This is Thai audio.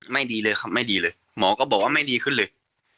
ดีเลยครับไม่ดีเลยหมอก็บอกว่าไม่ดีขึ้นเลย